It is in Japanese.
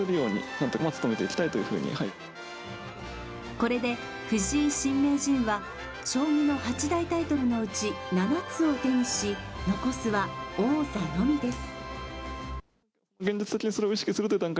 これで藤井新名人は将棋の８大タイトルのうち７つを手にし、残すは王座のみです。